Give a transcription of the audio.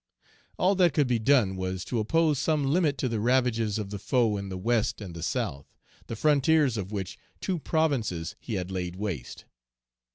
All that could be done was to oppose some limit to the ravages of the foe in the West and the South, the frontiers of which two provinces he had laid waste.